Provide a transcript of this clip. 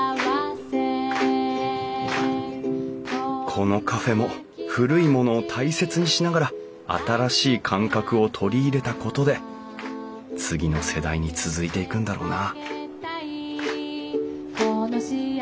このカフェも古いものを大切にしながら新しい感覚を取り入れたことで次の世代に続いていくんだろうな